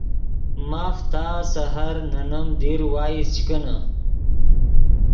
ماف تا سحر نے نیم دیر وائس چے کینے